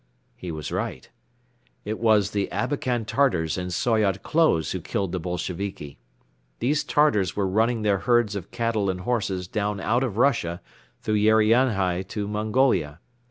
He was right. It was the Abakan Tartars in Soyot clothes who killed the Bolsheviki. These Tartars were running their herds of cattle and horses down out of Russia through Urianhai to Mongolia.